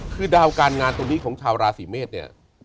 คือดาวการงานตรงนี้ของชาวราศีเมษเนี่ย